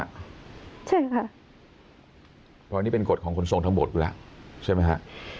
เพราะอันนี้เป็นกฎของคุณส่งทั้งบทดละใช่ไหมฮะ